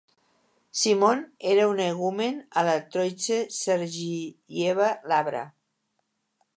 Simon era un hegumen a la Troitse-Sergiyeva Lavra.